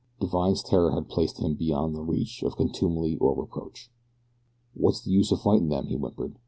Divine's terror had placed him beyond the reach of contumely or reproach. "What's the use of fighting them?" he whimpered.